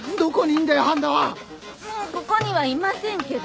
もうここにはいませんけど。